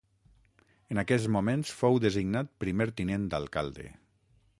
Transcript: En aquests moments fou designat primer tinent d'alcalde.